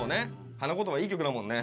「花言葉」いい曲だもんね。